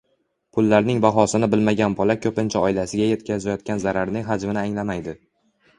Pullarning bahosini bilmagan bola ko‘pincha oilasiga yetkazayotgan zararining hajmini anglamaydi.